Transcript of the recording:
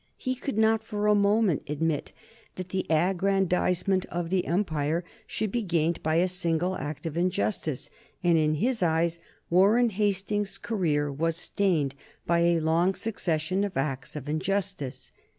He could not for a moment admit that the aggrandizement of the empire should be gained by a single act of injustice, and in his eyes Warren Hastings's career was stained by a long succession of acts of injustice.